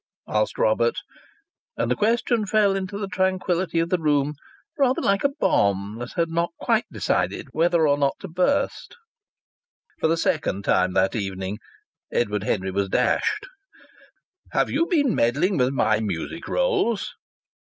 asked Robert, and the question fell into the tranquillity of the room rather like a bomb that had not quite decided whether or not to burst. For the second time that evening Edward Henry was dashed. "Have you been meddling with my music rolls?"